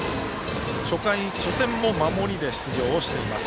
初戦も守りで出場しています。